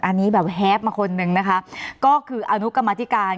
อันนี้แบบแฮปมาคนนึงนะคะก็คืออนุกรรมธิการ